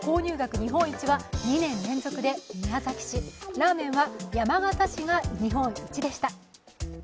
日本一は２年連続で宮崎市、ラーメンは山形市が日本一でした。